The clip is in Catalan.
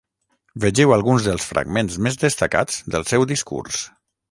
Vegeu alguns dels fragments més destacats del seu discurs.